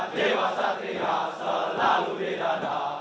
dewa setia selalu dirana